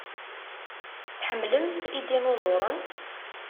Tḥemmlemt idinuẓuren?